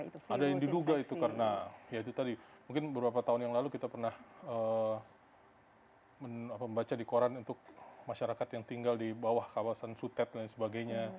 ada yang diduga itu karena ya itu tadi mungkin beberapa tahun yang lalu kita pernah membaca di koran untuk masyarakat yang tinggal di bawah kawasan sutet dan sebagainya